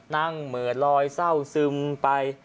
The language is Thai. เหมือนลอยเศร้าซึมไป